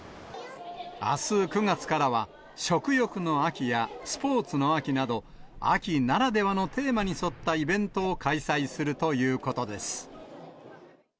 あす９月からは、食欲の秋やスポーツの秋など、秋ならではのテーマに沿ったイベントを開催するということです。